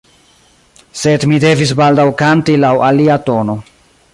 Sed mi devis baldaŭ kanti laŭ alia tono.